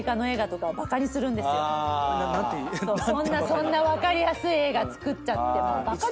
そんな分かりやすい映画作っちゃってバカじゃないの？